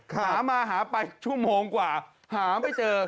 หามาหาไปชั่วโมงกว่าหาไม่เจอ